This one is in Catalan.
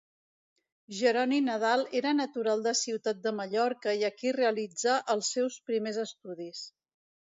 Jeroni Nadal era natural de Ciutat de Mallorca i aquí realitzà els seus primers estudis.